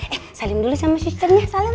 eh salim dulu sama si cernya salam